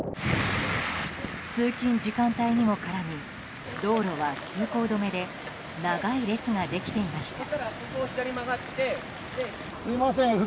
通勤時間帯にも絡み道路は通行止めで長い列ができていました。